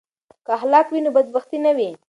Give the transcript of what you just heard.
که اخلاق وي نو بدبختي نه وي.